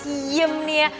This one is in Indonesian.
kau diam nih ya